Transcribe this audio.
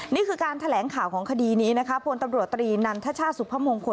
นี่การแถลงข่าวของคดีนี้บริธินัศชาติสุภงค์